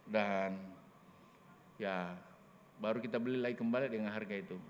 dan ya baru kita beli lagi kembali dengan harga itu